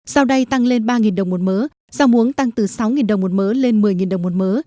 sau đây tăng lên ba đồng một mớ rau muống tăng từ sáu đồng một mớ lên một mươi đồng một mớ